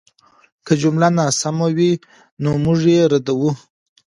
که جمله ناسمه وه، نو موږ یې ردوو.